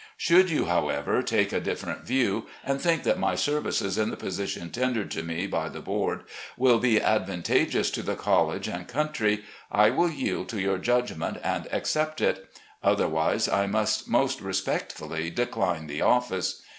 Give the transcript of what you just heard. Should you, however, take a different view, and think that my services in the position tendered to me by the board will be advantageous to the college and country, I will yield to your judgment and accept it ; otherwise, I must most respectfully decline the office.